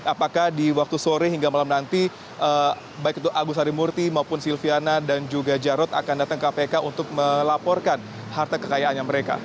apakah di waktu sore hingga malam nanti baik itu agus harimurti maupun silviana dan juga jarod akan datang ke kpk untuk melaporkan harta kekayaannya mereka